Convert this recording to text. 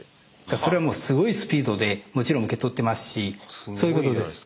それはもうすごいスピードでもちろん受け取ってますしそういうことです。